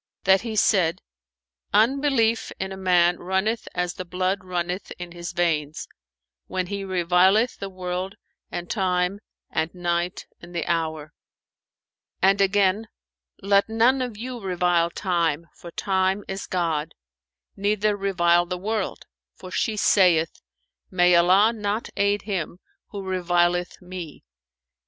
that he said, 'Unbelief in a man runneth as the blood runneth in his veins, when he revileth the world and Time and night and the Hour.' And again, 'Let none of you revile Time, for Time is God; neither revile the world, for she saith, 'May Allah not aid him who revileth me!